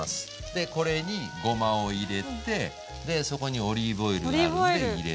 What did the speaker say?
でこれにごまを入れてでそこにオリーブオイル入れて。